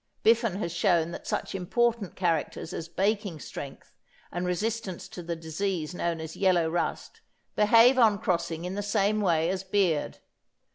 Biffen has shown that such important characters as baking strength and resistance to the disease known as yellow rust behave on crossing in the same way as beard.